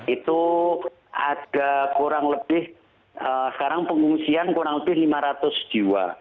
itu ada kurang lebih sekarang pengungsian kurang lebih lima ratus jiwa